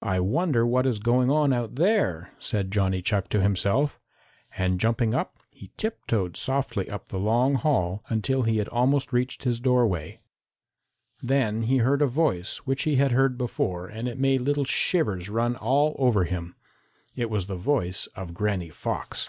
"I wonder what is going on out there," said Johnny Chuck to himself, and jumping up, he tiptoed softly up the long hall until he had almost reached his doorway. Then he heard a voice which he had heard before, and it made little shivers run all over him. It was the voice of Granny Fox.